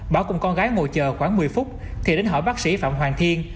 bảo cùng con gái ngồi chờ khoảng một mươi phút thì đến hỏi bác sĩ phạm hoàng thiên